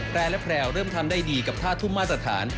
แพร่และแพรวเริ่มทำได้ดีกับท่าทุ่มมาตรฐาน